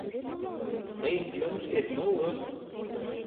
Тыйын чоныштет мо уло?